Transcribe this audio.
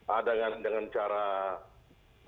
ada yang dengan cara miskin